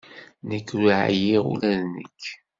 Nekk ur ɛyiɣ. Ula d nekk.